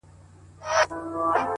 خپل لویې موږک ته اوه سره بلا سوه,